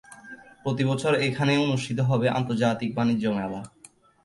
প্রতি বছর এখানেই অনুষ্ঠিত হবে আন্তর্জাতিক বাণিজ্য মেলা।